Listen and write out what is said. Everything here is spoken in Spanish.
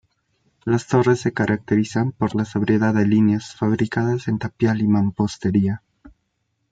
Las torres se caracterizan por la sobriedad de líneas, fabricadas en tapial y mampostería.